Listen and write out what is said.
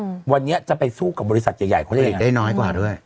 อืมวันนี้จะไปสู้กับบริษัทใหญ่ใหญ่คนอื่นได้น้อยกว่าด้วย